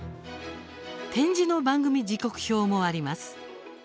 点字の番組時刻表もあります。